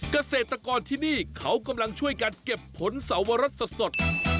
เกษตรกรที่นี่เขากำลังช่วยกันเก็บผลสวรสสด